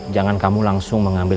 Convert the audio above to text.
jangan kamu langsung mengambil